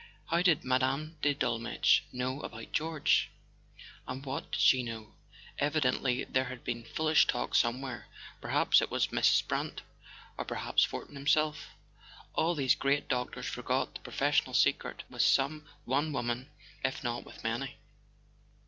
How did Mme. de Dolmetsch know about George? And what did she know? Evidently there had been foolish talk somewhere. Perhaps it was Mrs. Brant—or perhaps Fortin himself. All these great doctors forgot the professional secret with some one woman, if not with many.